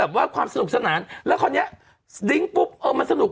ปุ๊บปุ๊บปุ๊บปุ๊บปุ๊บปุ๊บ